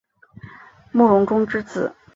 慕容忠之子。